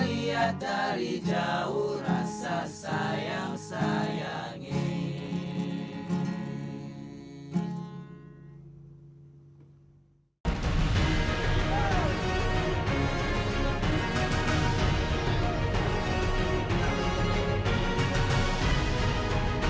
lihat dari jauh rasa sayang sayangin